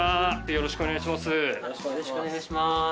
よろしくお願いします。